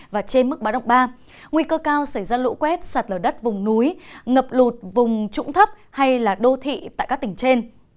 và trên mức báo động ba nguy cơ cao xảy ra lũ quét sạt lở đất vùng núi ngập lụt vùng trũng thấp hay là đô thị tại các tỉnh trên